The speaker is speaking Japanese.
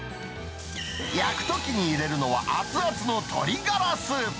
焼くときに入れるのは、熱々の鶏がらスープ。